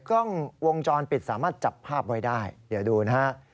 กล้องวงจรปิดสามารถจับภาพไว้ได้เดี๋ยวดูนะฮะ